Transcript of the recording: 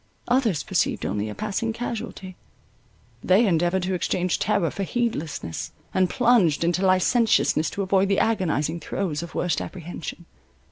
Others perceived only a passing casualty; they endeavoured to exchange terror for heedlessness, and plunged into licentiousness, to avoid the agonizing throes of worst apprehension.